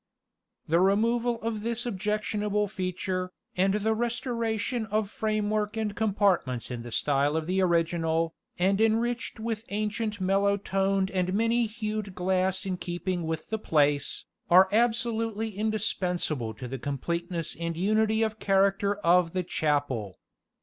The removal of this objectionable feature, and the restoration of framework and compartments in the style of the original, and enriched with ancient mellow toned and many hued glass in keeping with the place, are absolutely indispensable to the completeness and unity of character of the chapel.